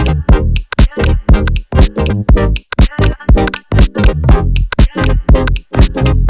ntar kena kartu merah kokolat